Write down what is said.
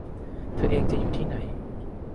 เธอเองจะอยู่ที่ไหน